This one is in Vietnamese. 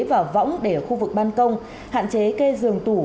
và võng để ở khu vực ban công hạn chế cây giường tủ